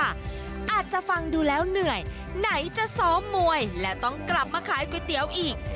อาจจะฟังดูแล้วเหนื่อยไหนจะซ้อมมวยและต้องกลับมาขายก๋วยเตี๋ยวอีก